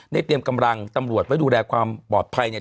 เตรียมกำลังตำรวจไว้ดูแลความปลอดภัยเนี่ย